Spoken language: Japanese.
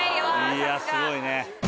いやすごいね。